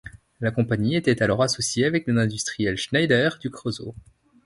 La Compagnie était alors associée avec les industriels Schneider du Creusot.